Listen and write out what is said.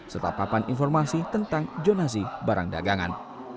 serta papan informasi tentang jonasi barang dagangan